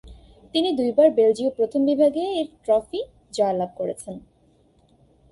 তিনি দুইবার বেলজীয় প্রথম বিভাগ এ-এর ট্রফি জয়লাভ করেছেন।